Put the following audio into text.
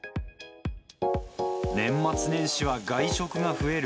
年末年始は外食が増える。